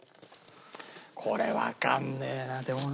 これわかんねえなでもな。